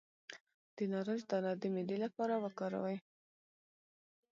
د نارنج دانه د معدې لپاره وکاروئ